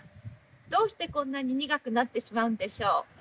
どうしてこんなに苦くなってしまうんでしょう？